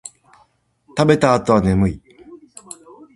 食べた後は眠い